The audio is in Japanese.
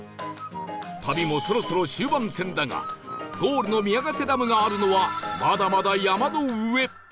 旅もそろそろ終盤戦だがゴールの宮ヶ瀬ダムがあるのはまだまだ山の上